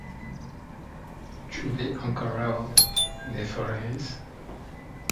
Ĉu vi ankoraŭ ne foriris?